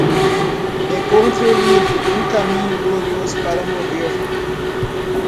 Encontre o livro Um Caminho Glorioso para Morrer